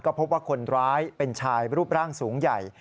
พบว่าคนร้ายเป็นชายรูปร่างสูงใหญ่